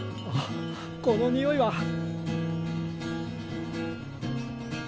あっこの匂いは！